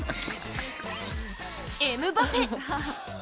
エムバペ！